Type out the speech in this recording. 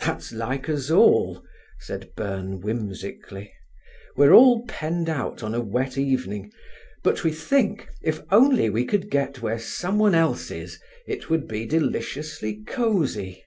"That's like us all," said Byrne whimsically. "We're all penned out on a wet evening, but we think, if only we could get where someone else is, it would be deliciously cosy."